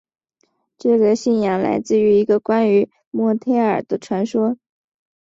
这个信仰来自一个关于得墨忒耳的传说。